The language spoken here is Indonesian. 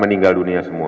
mendinggal dunia semua